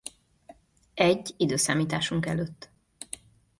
Egy i.e.